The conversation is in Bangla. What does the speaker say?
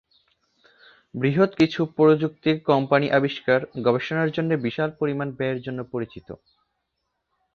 বৃহৎ কিছু প্রযুক্তি কোম্পানি আবিষ্কার, গবেষণার জন্যে বিশাল পরিমাণ ব্যয়ের জন্যে পরিচিত।